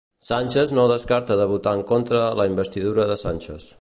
Sánchez no descarta de votar en contra la investidura de Sánchez.